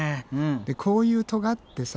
こういうとがってさ